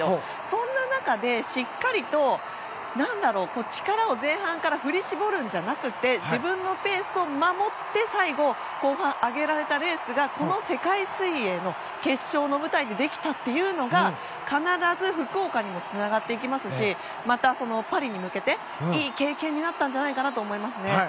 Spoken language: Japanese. そんな中でしっかりと力を前半から振り絞るんじゃなく自分のペースを守って最後、後半上げられたレースがこの世界水泳の決勝の舞台でできたというのが必ず福岡にもつながっていきますしまた、パリに向けていい経験になったんじゃないかと思いますね。